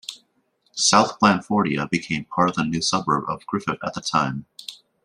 South Blandfordia became part of the new suburb of Griffith at the same time.